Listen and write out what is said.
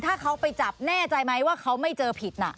ถ้าเขาไปจับแน่ใจไหมว่าเขาไม่เจอผิดน่ะ